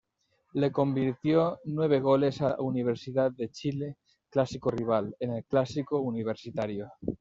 Le convirtió nueve goles a Universidad de Chile, clásico rival, en el Clásico Universitario.